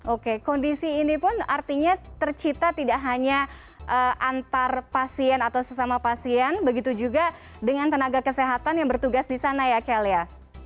oke kondisi ini pun artinya tercipta tidak hanya antar pasien atau sesama pasien begitu juga dengan tenaga kesehatan yang bertugas di sana ya kel ya